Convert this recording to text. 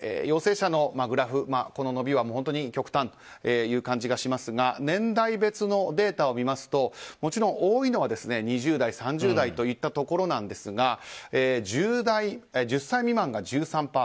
陽性者のグラフこの伸びは本当に極端という感じがしますが年代別のデータを見ますともちろん多いのは２０代、３０代といったところですが１０歳未満が１３％